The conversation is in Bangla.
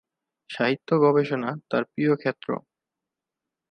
সাহিত্য গবেষণা তার প্রিয় ক্ষেত্র।